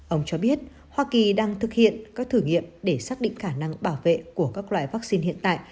ông cho biết hoa kỳ đang thực hiện các thử nghiệm để xác định khả năng bảo vệ của các loại vaccine hiện tại